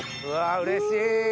うわうれしい。